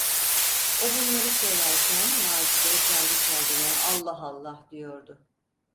O bunları söylerken Macide kendi kendine: "Allah Allah!" diyordu.